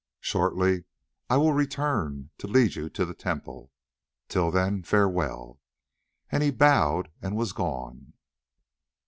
Shortly I will return to lead you to the temple. Till then, farewell," and he bowed and was gone.